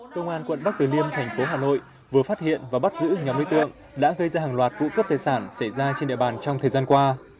công an quận bắc từ liêm thành phố hà nội vừa phát hiện và bắt giữ nhóm đối tượng đã gây ra hàng loạt vụ cướp tài sản xảy ra trên địa bàn trong thời gian qua